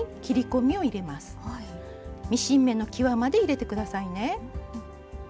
ミシン目のきわまで入れて下さいね。